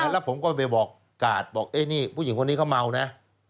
แล้วผมก็ไปบอกกาดบอกนี่ผู้หญิงคนนี้เขาเมานะ